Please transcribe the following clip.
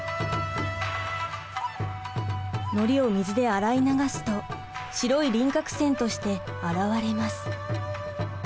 糊を水で洗い流すと白い輪郭線として表れます。